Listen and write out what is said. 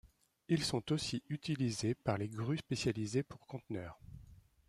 Ils sont aussi utilisés par les grues spécialisées pour conteneurs.